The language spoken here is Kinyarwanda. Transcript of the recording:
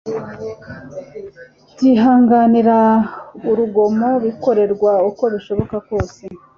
Byihanganira urugomo bikorerwa uko bishobora kose